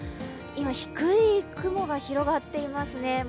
今、低い雲が広がっていますね。